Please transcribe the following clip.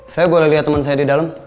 saya boleh liat temen saya di dalam